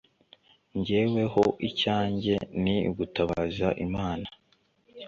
jyeweho, icyanjye ni ugutabaza imana